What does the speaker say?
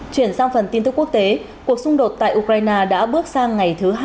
chuyển sang phần tin tức quốc tế cuộc xung đột tại ukraine đã bước sang ngày thứ hai